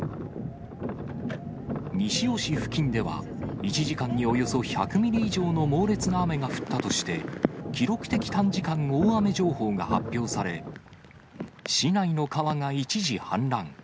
西尾市付近では、１時間におよそ１００ミリ以上の猛烈な雨が降ったとして、記録的短時間大雨情報が発表され、市内の川が一時氾濫。